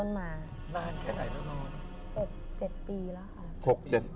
นานแค่ไหนเน้อ